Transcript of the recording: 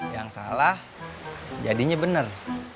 yang salah jadinya bener